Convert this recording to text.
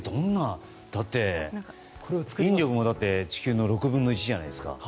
だって引力も地球の６分の１じゃないですか。